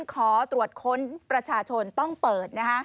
ขอตรวจค้นประชาชนต้องเปิด